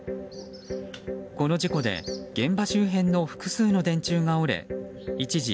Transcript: この事故で現場周辺の複数の電柱が折れ一時